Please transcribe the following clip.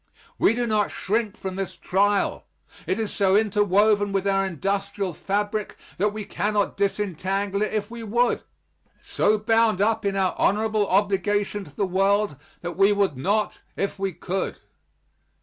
We do not shrink from this trial. It is so interwoven with our industrial fabric that we cannot disentangle it if we would so bound up in our honorable obligation to the world, that we would not if we could.